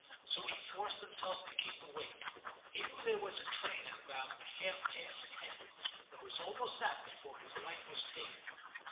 So he forced himself to keep awake ; he knew there was a train in about half past ten, and it was almost that before his light was taken.